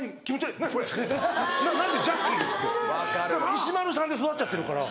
石丸さんで育っちゃってるから。